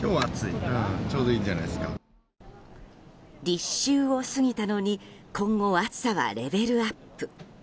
立秋を過ぎたのに今後、暑さはレベルアップ。